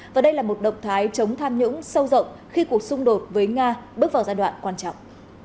và đây là một động thái chống tham nhũng sâu rộng khi cuộc xung đột với nga bước vào giai đoạn quan trọng